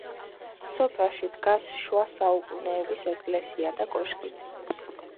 სოფელში დგას შუა საუკუნეების ეკლესია და კოშკი.